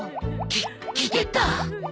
ききてた。